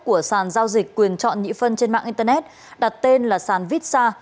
của sàn giao dịch quyền chọn nhị phân trên mạng internet đặt tên là sàn vitsa